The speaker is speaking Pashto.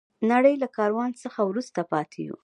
د نړۍ له کاروان څخه وروسته پاتې یو.